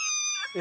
え？